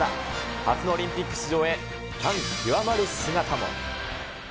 初のオリンピック出場へ、感極まる姿も。